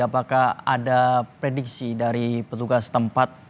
apakah ada prediksi dari petugas tempat